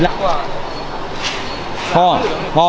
ตัวอย่างใหญ่